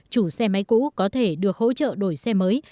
chủ xe máy cũ có thể được hỗ trợ đổi xe mới